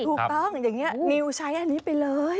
ถูกต้องอย่างนี้นิวใช้อันนี้ไปเลย